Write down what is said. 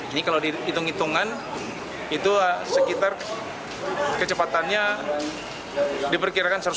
ini kalau diitung itungan itu sekitar kecepatannya diperkirakan satu ratus dua puluh km per jam